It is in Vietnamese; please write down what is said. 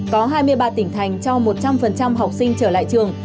có hai mươi ba tỉnh thành cho một trăm linh học sinh trở lại trường